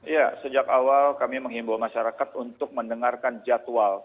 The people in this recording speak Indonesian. ya sejak awal kami mengimbau masyarakat untuk mendengarkan jadwal